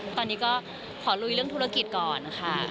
ตอนนี้ก็ขอลุยเรื่องธุรกิจก่อนค่ะ